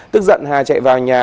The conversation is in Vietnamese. tức giận hà chạy vào nhà